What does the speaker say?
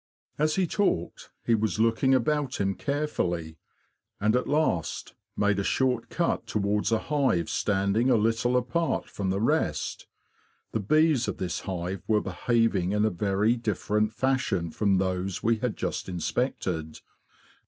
As he talked, he was looking about him carefully, and at last made a short cut towards a hive stand ing a little apart from the rest. The bees of this hive were behaving in a very different fashion from those we had just inspected.